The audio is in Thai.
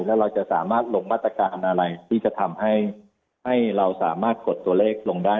แล้วเราจะสามารถลงมาตรการอะไรที่จะทำให้เราสามารถกดตัวเลขลงได้